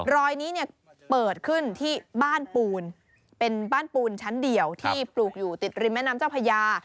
รอยนี้เนี่ยเปิดขึ้นที่บ้านปูนเป็นบ้านปูนชั้นเดียวที่ปลูกอยู่ติดริมแม่น้ำเจ้าพญา